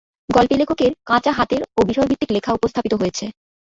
গল্পে লেখকের কাঁচা হাতের ও বিষয়ভিত্তিক লেখা উপস্থাপিত হয়েছে।